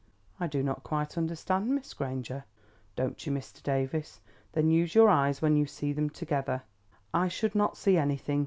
"I do not quite understand, Miss Granger." "Don't you, Mr. Davies? then use your eyes when you see them together." "I should not see anything.